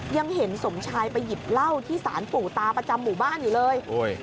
ยังเห็นสมชายไปหยิบเหล้าที่สารปู่ตาประจำหมู่บ้านอยู่เลย